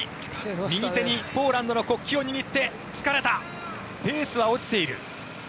右手にポーランドの国旗を握って疲れた、ペースは落ちている。